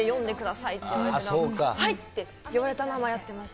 はいって言われたままやってました。